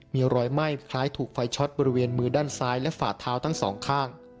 มีรอยไหม้คล้ายถูกไฟช็อตบริเวณมือด้านซ้ายและฝาเท้าทั้งสองข้าง